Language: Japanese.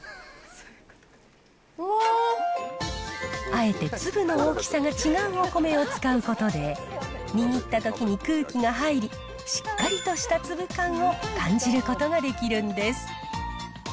あえて粒の大きさが違うお米を使うことで、握ったときに空気が入り、しっかりとした粒感を感じることができるんです。